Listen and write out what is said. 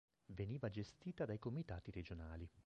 Veniva gestita dai comitati regionali.